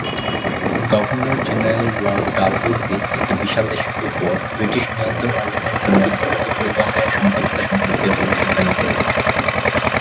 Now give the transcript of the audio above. Governor general lord Dalhousie একটি বিশাল দেশের ওপর ব্রিটিশ নিয়ন্ত্রণ অর্জনের জন্য দ্রুত পরিবহনের সম্ভাব্যতা সম্পর্কে ভবিষ্যদ্বাণী করেছিলেন।